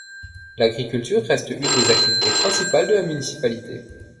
L'agriculture reste une des activités principales de la municipalité.